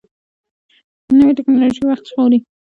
نوې ټکنالوژي وخت ژغوري